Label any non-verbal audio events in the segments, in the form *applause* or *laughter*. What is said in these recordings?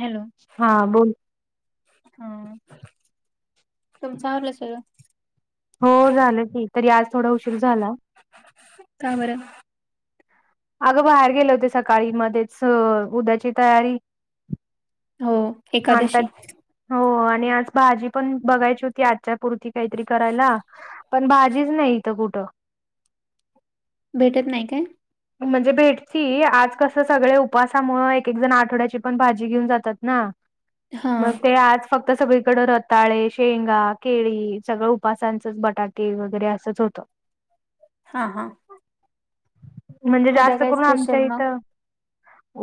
Hello हां बोलं हां तुमं चवलं सरं हो झालं की तरी आंज थोडां उशीर झालां कां बरं. अगं बाहेर गेले होते सकाळीं मध्येचं उद्यांची तयारी- हो. एकादशी आणतांत. हो आणि आंज भाजी पणं बघांयची होती आजच्यां पुुरती कांहीं तरी करांयला. पणं भाजीच नाहीं इथं कुठं. भेटतं नाहीं कायं. म्हणजे भेटची आंज कसं सगळें उपवांसामुळे एक एक जणं आठवड्यांची पणं भाजी घेऊंन जातांत नां- हा मंग ते आंज- फक्तं सगळीकडे रताळे शेंगा केळी सगळं उपासांचंच बटाटे वगैरें असंच होतं. हां हां. म्हणजे जास्तं काय करूंन स्पेशल आमच्यां मग इथं.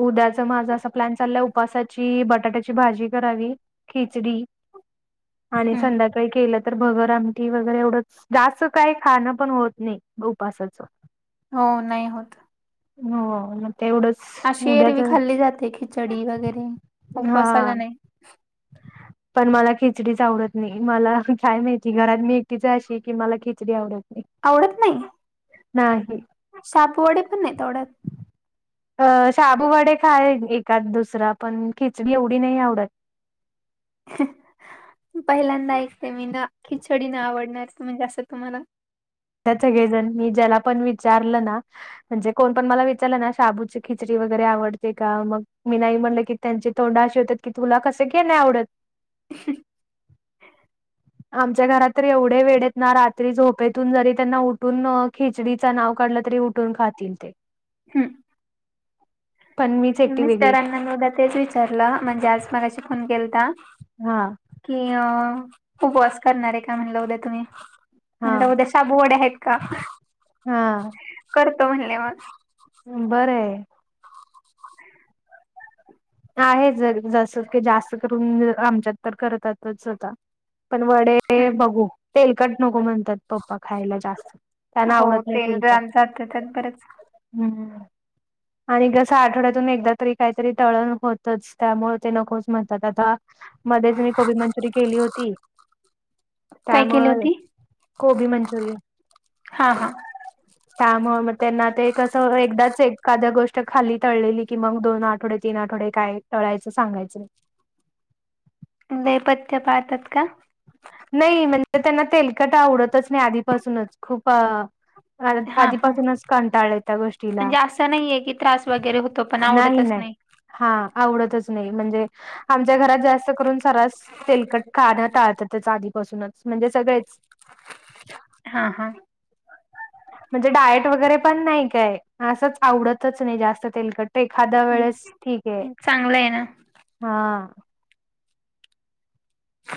उद्याचं माझां असां प्लॅन चाललांय उपासांची बटाट्यांची भाजी करावी- खिचडी आणि हम्म संध्याकांळी केलं- तर भगर आमटी, वगैरे एवढंच जास्त काही खाणं पण होत नाही उपासाचं. हो नाही होत. हो मग तेवढंच, अशी उद्याच एरवी खाल्ली जाते खिचडी वगैरे हा. उपवासाला नाही ह. पण मला खिचडीच आवडत नाही मला काय माहिती घरात मी एकटीच अशी की मला खिचडी आवडत नाही. आवडत नाही? नाही. शबुवडे पण नाहीत आवडत? *inaudible* अ शाबू वडे खाईल एकाद दुसरा पण खिचडी एवढी नाही आवडत. पहिल्यांदा ऐकते मी ना खिचडी न आवडणार म्हणजे असं तुम्हाला‌. त्या सगळेजण मी ज्याला पण विचारलं ना म्हणजे कोण पण मला विचारलं ना शाबूची खिचडी वगैरे आवडते का मग मी नाही म्हणले की त्यांचे थोडं असे होतात की तुला कसे काय नाही आवडत? आमच्या घरात तर एवढे वेडेत ना रात्री झोपेत तून जरी त्यांना उठून खिचडीच नाव काढलं तरी उठून खातील ते. हम्म. पण मीच एकटी वेगळी मिस्टरांना मदा तेच विचारलं म्हणजे आज मगाशी फोन केलता. हा. कि अ उपवास करणारे काय म्हणल उद्या तुम्ही? हा म्हणल उद्या शाबूवडे आहेत का हा करतो म्हणले मग. बरंय. आहे ज जस क जास्त करून आमच्यात तर करतातच होता पण वडे वडे ते हम्म बघू तेलकट नको म्हणतात. पप्पा खायला जास्त त्यांना हो आवडत नाही तेल तेलकट रान जात त्यात बरंच हम्म. आणि जसं आठवड्यातून एकदा तरी काहीतरी तळण होतच त्यामुळे ते नकोच म्हणतात आता मध्येच मी कोबी मंचुरी केली होती. काय केली त्यामुळे होती कोबी मंचुरियन. हा हा त्यामुळे मग त्यांना ते कसं एकदाच एक एखाद्या गोष्ट खाली तळलेली की मग दोन आठवडे, तीन आठवडे काय तळायचं सांगायचं नाही. लय पथ्य पाळतात का? नाही म्हणजे त्यांना तेलकट आवडतच नाही आधीपासूनच खूप अ आ हा हा आधीपासूनच कंटाळलेत त्या गोष्टीला म्हणजे असं नाहीये की त्रास वगैरे होतो पण नाही आवडतच नाही. हा आवडतच नाही म्हणजे आमच्या घरात जास्त करून सरास तेलकट खाणं टाळतातच आधीपासूनच म्हणजे सगळेच. हा हा. म्हणजे डायट वगैरे पण नाही काय असंच आवडतच नाही जास्त तेलकट. एखाद्या वेळेस हम्म, ठीक आहे चांगलं आहे ना हा.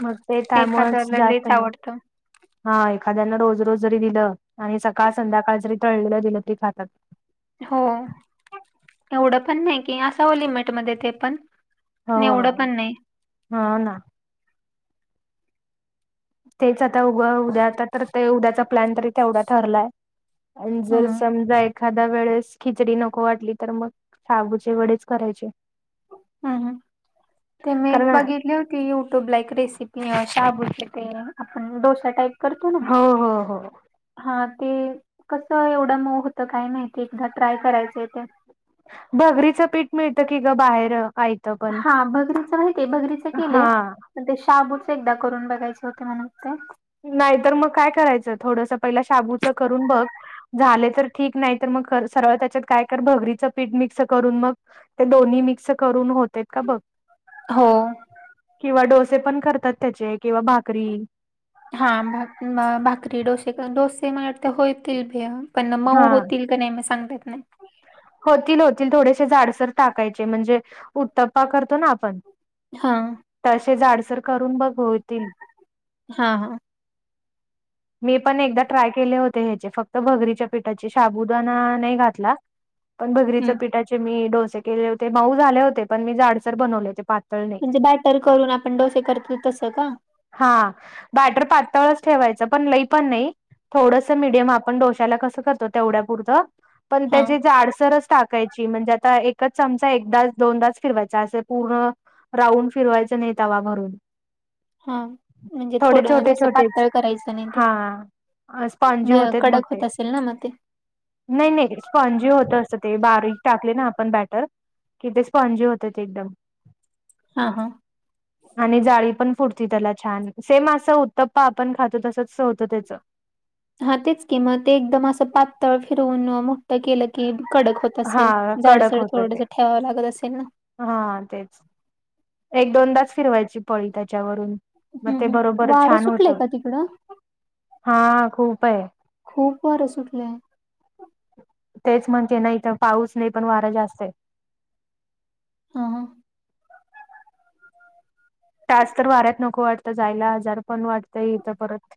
मग ते त्यामुळेच एखाद्याला जास्त लयच नाही. आवडतं हा एखाद्याना रोज रोज जरी दिलं आणि सकाळ संध्याकाळ जरी तळलेलं दिलं ते खातात. हो एवढं पण नाही की असाव लिमेट मध्ये ते पण. हो पण एवढं पण नाही हा ना. तेच आता उग उद्या आता तर ते उद्याचा प्लॅन तरी तेवढा ठरलाय. आणि जर हम्म समजाय एखादा वेळेस खिचडी नको वाटली तर मग साबूचे वेडेच करायचे. हम्म ह ते मी एक कारण बघितली होती की युट्यूब लाईक रेसिपी शाबूची ते आपण डोसा टाईप करतो ना. हो हो हो. हा ते कसं एवढं मऊ होतं काय नाहीती एकदा ट्राय करायचं ते. भगरीचं पीठ मिळतं की ग बाहेर *unintelligible* हा भागरीचं माहितीे भगरीच हा केलंय. ते शाबूच एकदा करून बघायचे होते म्हणून ते. नाहीतर मग काय करायचं थोडस पहिलं शाबूचं करून बघ झाले तर ठीक नाही तर मग सरळ त्याच्यात काय कर भगरीचं पीठ मिक्स करून बघ. ते दोन्ही मिक्स करून होते का बघ. हो. किंवा डोसे पण करतात त्याचे किंवा भाकरी. हा भाकरी डोसे डोसे म वाटते होतील भे पण हा मऊ होतील. नेहमी सांगता येत नाही. होतील होतील थोडेसे जाडसर टाकायचे म्हणजे उत्तप्पा करतो ना आपण. हा. तसे जाडसर करून बघ होतील. हा हा. *inaudible* मी पण एकदा ट्राय केले होते ह्याचे फक्त भगरीच्या पीठाचे शाबुदाणा नाही घातला पण भगरीचे हम्म पिठाचे मी डोसे केले होते माऊ झाले होते पण मी जाडसर बनवले हो प *unintelligible* म्हणजे बॅटर करून आपण डोसे करतो तसं का? हा बॅटर पातळच ठेवायचं पण लई पण नाही. थोडस मीडियम आपण डोश्याला कसं करतो तेवढ्यापुरतं पण हा त्याची जाडसरच टाकायची म्हणजे आता एकच चमचा एकदाच दोनदाच फिरवायचा असे पूर्ण राऊंड फिरवायचं नाही तवा भरून. हा म्हणजे थोडे थोडं छोटे जसं पातळ करायचं नाही खूप? स्पंजी होतात मग ते असेल ना मग ते. नाही नाही स्पंजी ज होत असत ते बारीक टाकले ना आपण बॅटर किथे स्पंजी होत एकदम. हा हा. *inaudible* आणि जाळी पण फुडती त्याला छान सेम असं उत्तप्पा आपण खातो तसच होतं त्याच. हा तेच कि म ते एकदम असं पातळ फिरवून मोठं केलं की कडक होत असेल हा कडक जाडसर होत ते थोडस ठेवावं लागत असेल ना? हा तेच एक दोनदास फिरवायची पळी त्याच्यावरून. मग हम्म ते हम्म. बरोबर वारं छान होत सुटलंय का तिकडं? हा खूप आहे. खूप वर सुटले? तेच म्हणते नाही तर पाऊस नाही पण वारा जास्त आहे. हा हा. तास तर वाऱ्यात नको वाटतं जायला हजार पण वाटतं इथं परत.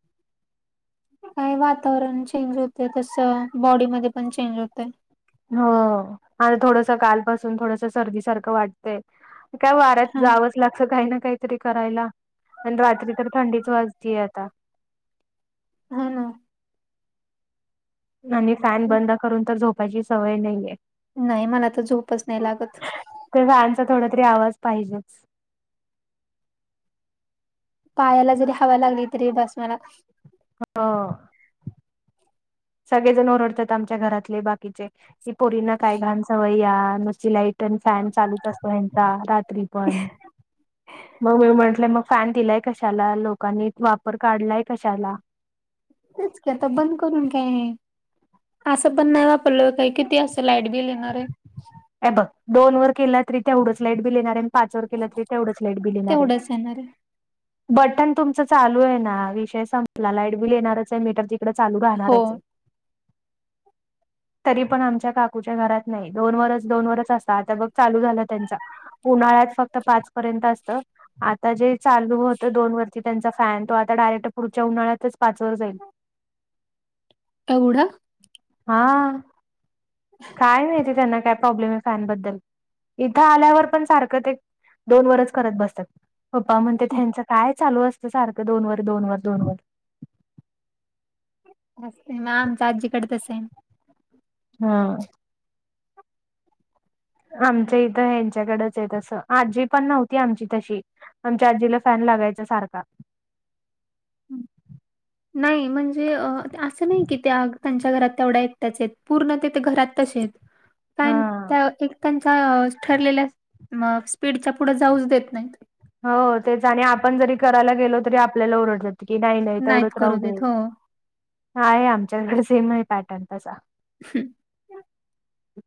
काय वातावरण चेंज होते तस बॉडीमध्ये पण चेंज होतय. हो आणि थोडस कालपासून थोडस सर्दी सारखं वाटतंय. का वाऱ्यात हा जाव लागत काही ना काहीतरी करायला आणि रात्री तर थंडीच वाजतीय आता. हा ना. आणि फॅन बंद करून तर झोपायची सवय नाहीये. नाही मला तर झोपच नाही लागत. तर फॅनचा थोडा तरी आवाज पाहिजेच. पायाला जरी हवा लागली तरी बास मला. हा. सगळे जण ओरडतात आमच्या घरातले बाकीचे कि पोरीन काय घाण सवय्या नुस लाई पण फॅन चालूच असतो हेंचा रात्री पण. मग मी म्हंटलंय मग फॅन दिलाय कशाला लोकांनी वापर काढलाय कशाला. तेच की आता बंद करून काय आहे. असं पण नाही वापरलं काही किती असं लाईट बिल येणार आहे. अ बघ दोन वर केला तरी तेवढंच लाईट बिल येणार आहे पाचवर केलं की तेवढंच लाईट बिल येणार आहे. तेवढंच येणार आहे. बटन तुमच चालू आहे ना विषय संपला लाईट बिल येणारच आहे मीटर इकडें चालू हो. राहणारच आहे. तरी पण आमच्या काकूच्या घरात नाही दोन वरच दोन वरच असत आता बघ चालू झालं त्यांचा उन्हाळ्यात फक्त पाच पर्यंत असत. आता जे चालू होत दोन वर की त्यांचा फॅन तो आता डायरेक्ट पुढच्या उन्हाळ्यातच पाचवर जाईल. एवडा? हा. काय नाही ते त्यांना काय प्रॉब्लेम आहे फॅनबद्दल. इथं आल्यावर पण सारखं ते दोन वरच करत बसतात. पप्पा म्हणते त्यांचं काय चालू असतं सारखं दोन वर दोन वर दोन वर. म आमच्या आजीकडेच सेम. हा. आमच्या इथं यांच्याकडच आहे तसं आजी पण नव्हती आमची तशी. आमच्या आजीला फॅन लागायचा सारखा. हं. *unintelligible* नाही म्हणजे असं नाही की त्या त्यांच्या घरात तेवढ्या एकट्याच आहेत पूर्ण त्यांचे घरात तसे आहेत. हा फॅन अ एक पण. ठरलेल्या, मग स्पीडच्या पुढे जाऊच देत नाही. हो तेच आणि आपण जरी करायला गेलो तरी आपल्याला ओरडतात की नाही नाही नाहीत तेवढंच राहू करू दे. देत हो हा आहे आमच्याकडे सेम आहे पॅटर्न तसा. हम्.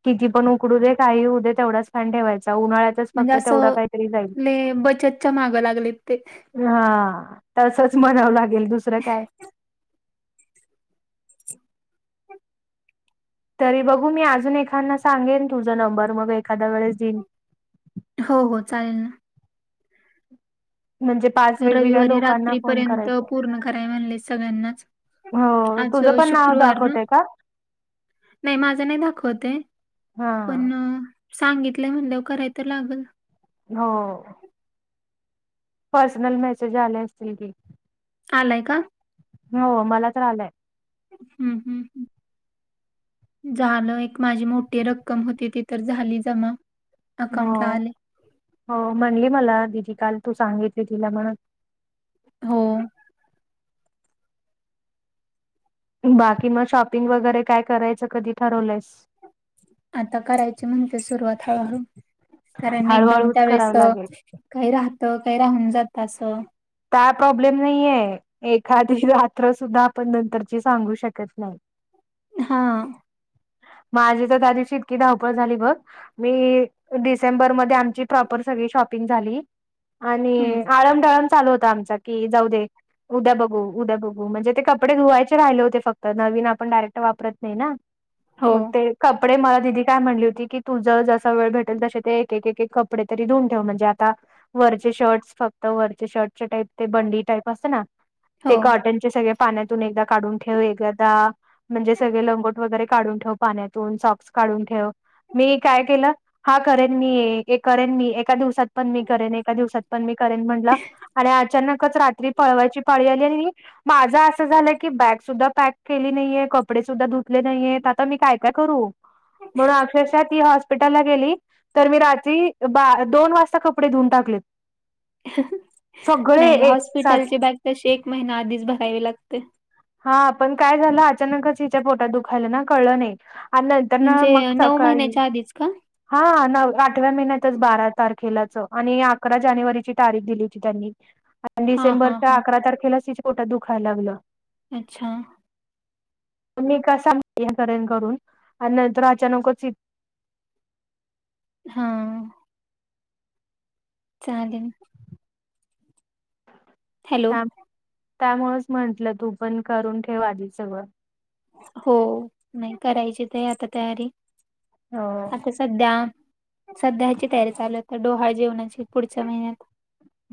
किती पण उकडू दे काही होऊ दे तेवढाचफॅन ठेवायचा उन्हाळ्यात म्हणजे असं बचतच्या माग लागलेत ते. हा तसच म्हणावं लागेल दुसरं काय. तरी बघू मी अजून एखाना सांगेन तुझा नंबर मग एखाद्या वेळेस देईन. हो हो चालेल ना. म्हणजे पाच वेगवेगळ्या रविवारी लोकांना फोन रात्रीपर्यंत करायचा पूर्ण करायला म्हणले सगळ्यांनाच. हो आज तुझं पण नाव शुक्रवार ना? *inaudible* दाखवतय का नाही माझं नाही दाखवत ते, हा पण सांगितलं म्हण्लयावर कराय तर लागल. हो. पर्सनल मेसेज आले असतील की. आलाय का? हो मला तर आलाय. हम्म हम् हम्म झालं एक माझी मोठी रक्कम होती ती तर झाली जमा. अकाउंटला हो आले. हो म्हणली मला दिदी काल तू सांगितली तिला म्हणून. हो. बाकी मग शॉपिंग वगैरे काय करायचं कधी ठरवलंयस. आता करायचे म्हणते सुरुवात हळू - हळू कारण एकदम हळूहळूच त्यावेेळेस. करावं लागेल काय राहतं काय राहून जात असं. काय प्रॉब्लेम नाहीये. एखादी रात्र सुद्धा आपण नंतरची सांगू शकत नाही. हा. माझी तर त्या दिवशी इतकी धावपळ झाली बघ. मी डिसेंबर मध्ये आमची प्रॉपर सगळी शॉपिंग झाली. आणि हं. आळम टळम चालू होता आमचा कि जाऊ दे. उद्या बघू उद्या बघू म्हणजे ते कपडे धुवायचे राहिले होते फक्त नवीन आपण डायरेक्ट वापरत नाही ना. हो, मग ते कपडे मला दिदी काय म्हणली होती की. तुझं जसं वेळ भेटेल तसे ते एक - एक - एक कपडे तरी धुऊन ठेव म्हणजे आता. वरचे शर्ट्स फक्त वरचे शर्ट. त्याचे बंडी टाईप असते ना ते हो. कॉटनचे सगळे. पाण्यातून एकदा काढून ठेवादा म्हणजे सगळे लंगोट. वगैरे काढून ठेव पाण्यातून सॉक्स काढून ठेव. मी काय केलं हा करेन मी करेन मी एक. एका दिवसात पण मी करेन एका दिवसात पण मी करेन म्हणला. अचानकच रात्री पळवायची पाळी आली आणि. माझा असं झालं की बॅग सुद्धा पॅक केली नाहीये कपडे सुद्धा धुतले नाहीयेत आता मी काय काय करू? म्हणून अक्षश ती. हॉस्पिटलला गेली तर मी रात्री दोन वाजता कपडे धुऊन टाकलेत. सगळे नाही एक साथ हॉस्पिटलची बॅग तशी एक महिना आधीच भरावी लागते. हा पण काय झालं अचानकच हिच्या पोटात दुखायला ना कळलं नाही. नंतर ना म्हणजे मग सकाळी. महिन्याच्या आधीच का? हा न आठव्या महिन्यातच बारा तारखेलाच आणि अकरा जानेवारीची तारीख दिली त्यांनी. आणि हां, हां, डिसेंबरच्या हां. अकरा तारखेला तिच्या पोटात दुखायला लागलं. अच्छा, मी का सांगू करे करून आणि नंतर अचानकच. हा. चालेल. हॅलो. थांब त्या त्यामुळेच म्हटलं तू पण करून ठेवाली आदी सगळं. हो नाही करायची ते आता तयारी हो आताचं. सध्या- सध्या ह्याची तयारी चालू हाय ते डोहाळे जेवणाची पुढच्या महिन्यातं.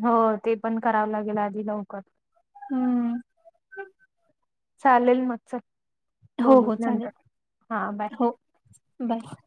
हो, ते पण कराव लागेलं आधी लवकर. हम्म. चालेल मग चल, हो बोलू नंतर हा बाय. बर.